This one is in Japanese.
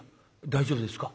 大丈夫ですか？